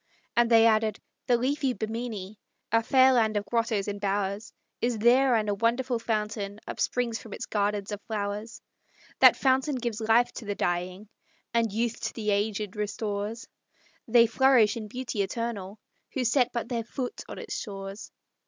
And they added: "The leafy Bimini, A fair land of grottos and bowers, Is there; and a wonderful fountain Upsprings from its gardens of flowers. That fountain gives life to the dying, And youth to the aged restores; They flourish in beauty eternal, Who set but their foot on its shores!"